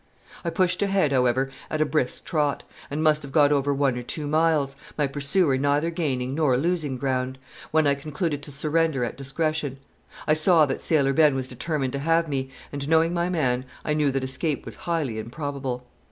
I pushed ahead, however, at a brisk trot, and must have got over one or two miles my pursuer neither gaining nor losing ground when I concluded to surrender at discretion. I saw that Sailor Ben was determined to have me, and, knowing my man, I knew that escape was highly improbable.